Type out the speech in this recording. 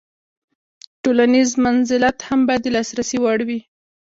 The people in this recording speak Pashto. تولنیز منزلت هم باید د لاسرسي وړ وي.